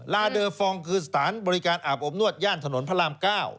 ลาเดอร์ฟองคือสถานบริการอาบอบนวดย่านถนนพระราม๙